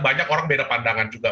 banyak orang beda pandangan juga